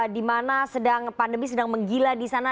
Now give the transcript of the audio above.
di mana pandemi sedang menggila di sana